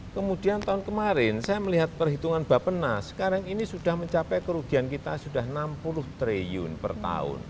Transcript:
kemudian tahun kemarin saya melihat perhitungan bapenas sekarang ini sudah mencapai kerugian kita sudah enam puluh triliun per tahun